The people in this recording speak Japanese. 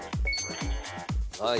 はい。